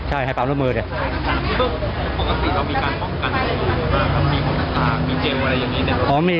ใช่ให้พับร่วมลูกมือเถอะ